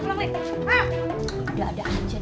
udah ada aja deh